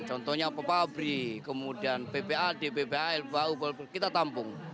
contohnya pepabri kemudian ppa dbpa lbau kita tampung